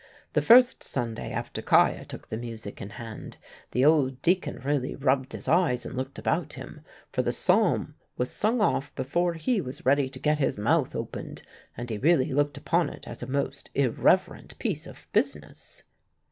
The first Sunday after 'Kiah took the music in hand, the old deacon really rubbed his eyes and looked about him; for the psalm was sung off before he was ready to get his mouth opened, and he really looked upon it as a most irreverent piece of business.